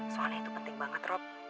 soalnya itu penting banget rob